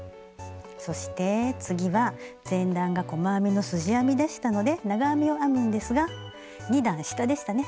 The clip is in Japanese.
そして次は前段が細編みのすじ編みでしたので長編みを編むんですが２段下でしたね。